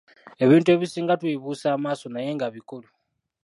Ebintu ebisinga tubibuusa amaaso naye nga bikulu.